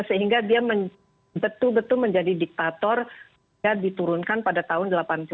sehingga dia betul betul menjadi diktator dia diturunkan pada tahun seribu sembilan ratus delapan puluh